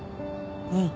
うん。